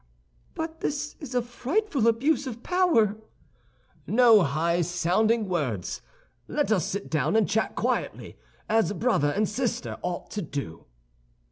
"But this is a frightful abuse of power!" "No high sounding words! Let us sit down and chat quietly, as brother and sister ought to do."